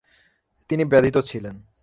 তিনি ব্যথিত ছিলেন: